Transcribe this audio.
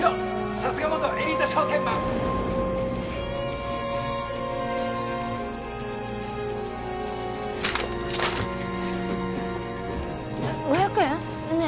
さすが元エリート証券マン！５００円？ねえ。